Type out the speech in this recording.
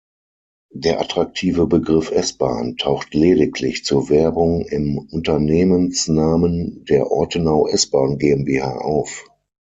Der attraktive Begriff "S-Bahn" taucht lediglich zur Werbung im Unternehmensnamen der Ortenau-S-Bahn GmbH auf.